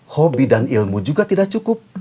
hobi dan ilmu juga tidak cukup